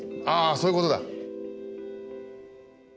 ああそういうことだ。